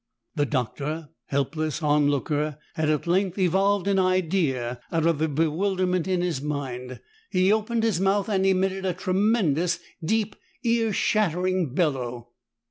The Doctor, helpless on looker, had at length evolved an idea out of the bewilderment in his mind. He opened his mouth and emitted a tremendous, deep, ear shattering bellow!